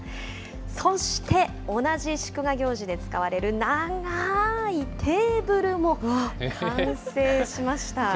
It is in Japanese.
そして、同じ祝賀行事で使われる長ーいテーブルも完成しました。